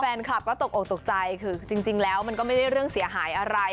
แฟนคลับก็ตกออกตกใจคือจริงแล้วมันก็ไม่ได้เรื่องเสียหายอะไร